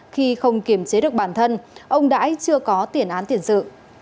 khi không kiềm chế được bản thân ông đãi chưa có tiền án tiền sự